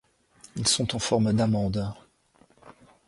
Ils sont en forme d'amande.